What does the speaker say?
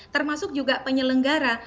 termasuk juga penyelenggara